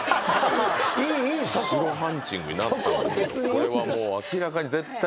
これは明らかに絶対。